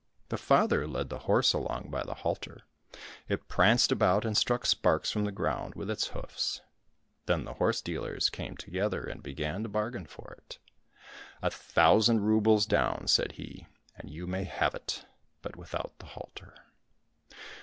The father led the horse along by the halter; it pranced about and struck sparks from the ground with its hoofs. Then the horse dealers came together and began to bargain for it. "A thousand roubles down," said he, " and you may have it, but without the halter."